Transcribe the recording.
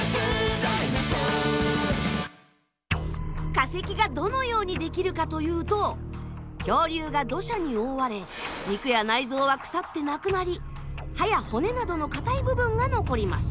化石がどのようにできるかというと恐竜が土砂に覆われ肉や内臓は腐ってなくなり歯や骨などの硬い部分が残ります。